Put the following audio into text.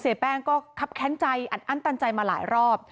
เสียแป้งก็คับแค้นใจอันตันใจมาหลายรอบ